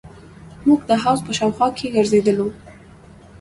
موږ د حوض په شاوخوا کښې ګرځېدلو.